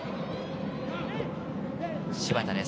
芝田です。